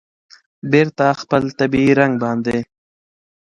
بېرته خپل طبیعي رنګ باندې